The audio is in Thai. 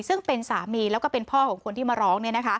ซึ่งเป็นสามีแล้วก็เป็นพ่อของคนที่มาร้อง